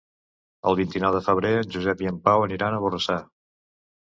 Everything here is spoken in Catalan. El vint-i-nou de febrer en Josep i en Pau aniran a Borrassà.